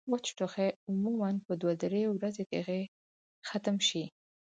وچ ټوخی عموماً پۀ دوه درې ورځې کښې ختم شي